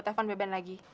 telepon beben lagi